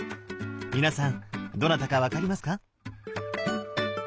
皆さんどなたか分かりますか？